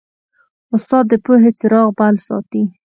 استاد د پوهې څراغ بل ساتي.